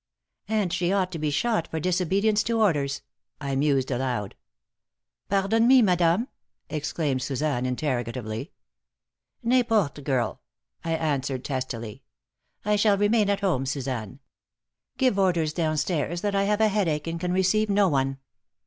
"And she ought to be shot for disobedience to orders," I mused, aloud. "Pardon me, madame?" exclaimed Suzanne, interrogatively. "N'importe, girl," I answered, testily. "I shall remain at home, Suzanne. Give orders down stairs that I have a headache and can receive no one."